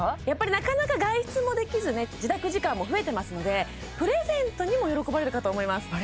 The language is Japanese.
やっぱりなかなか外出もできずね自宅時間も増えてますのでプレゼントにも喜ばれるかと思います